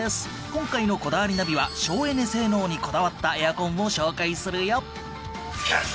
今回の『こだわりナビ』は省エネ性能にこだわったエアコンを紹介するよ！